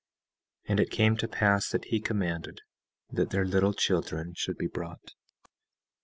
17:11 And it came to pass that he commanded that their little children should be brought.